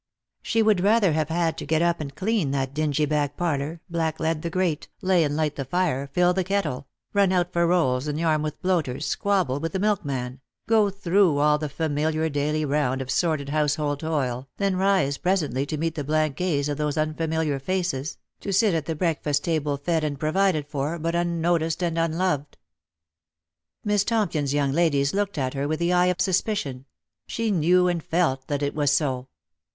She would rather have had to get up and clean that dingy back parlour, blacklead the grate, lay and light the fire, fill the kettle, run out for rolls and Yarmouth bloaters, squabble with the milkman, go through all the familiar daily round of sordid household toil, than rise presently to meet the blank gaze of those unfamiliar faces, to sit at the breakfast table fed and provided for, but unnoticed and unloved. Miss Tompion's young ladies looked at her with the eye of suspicion ; she knew and felt that it was so.